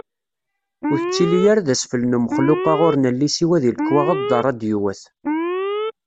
Ur tettili ara d asfel n umexluq-a ur nelli siwa di lekwaɣeḍ d radyuwat.